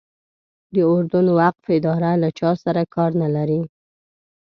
د اردن وقف اداره له چا سره کار نه لري.